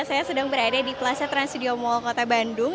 saya sedang berada di plaza trans studio mall kota bandung